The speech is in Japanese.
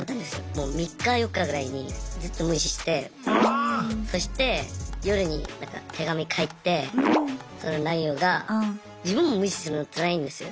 もう３日４日ぐらいにずっと無視してそして夜に手紙書いてその内容が「自分も無視するのつらいんですよ